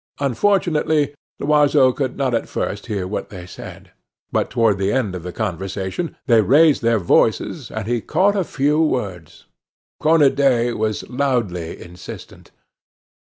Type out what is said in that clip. Unfortunately, Loiseau could not at first hear what they said; but toward the end of the conversation they raised their voices, and he caught a few words. Cornudet was loudly insistent.